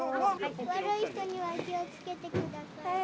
悪い人には気をつけてください。